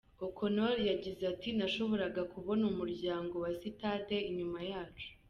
O’Connor yagize ati:” Nashoboraga kubona umuryango wa sitade inyuma yacu.